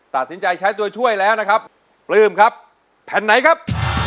ตัดสินใจใช้ตัวช่วยแล้วนะครับปลื้มครับแผ่นไหนครับ